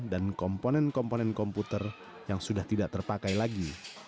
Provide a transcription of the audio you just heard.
dan komponen komponen komputer yang sudah tidak terpakai lagi